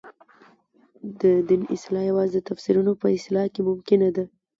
د دین اصلاح یوازې د تفسیرونو په اصلاح کې ممکنه ده.